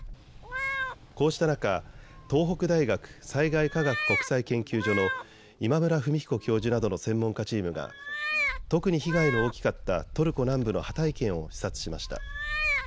こうした中、東北大学災害科学国際研究所の今村文彦教授などの専門家チームが特に被害の大きかったトルコ南部のハタイ県を視察しました。